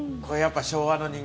これやっぱ。